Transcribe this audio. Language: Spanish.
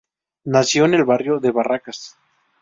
Nació en el barrio de Barracas.